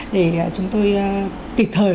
để chúng tôi kịp thời